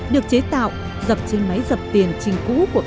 được chế tạo dập trên máy dập tiền trình cũ của quốc gia